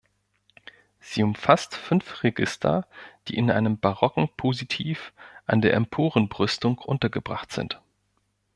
Sie umfasst fünf Register, die in einem barocken Positiv an der Emporenbrüstung untergebracht sind.